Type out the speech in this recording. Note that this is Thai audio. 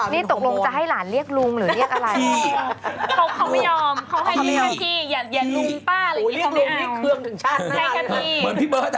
นี่ตกลงจะให้หลานเรียกลุงหรือเรียกอะไร